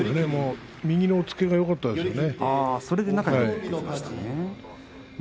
右の押っつけがよかったですね。